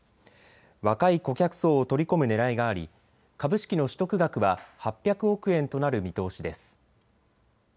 若い顧客層を取り込むねらいがあり株式の取得額は８００億円となる見通しです。